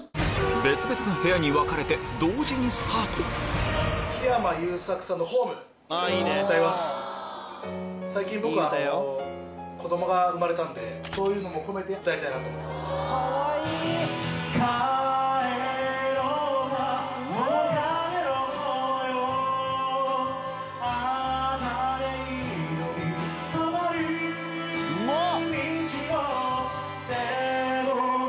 別々の部屋に分かれて同時にうまっ！